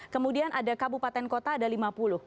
kemudian ada kabupaten kota ada lima puluh